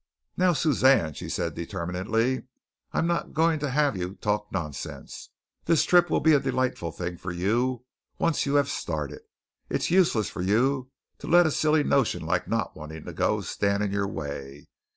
"Now, Suzanne," she said determinedly, "I'm not going to have you talk nonsense. This trip will be a delightful thing for you once you have started. It's useless for you to let a silly notion like not wanting to go stand in your way.